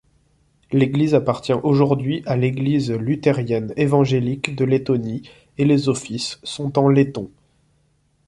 L'église appartient aujourd'hui à l'Église luthérienne-évangélique de Lettonie et les offices sont en letton.